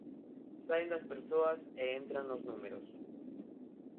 Saen das persoas e entran nos números.